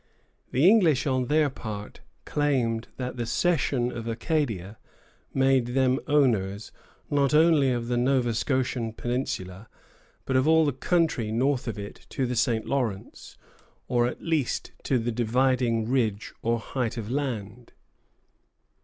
The English on their part claimed that the cession of Acadia made them owners, not only of the Nova Scotian peninsula, but of all the country north of it to the St. Lawrence, or at least to the dividing ridge or height of land.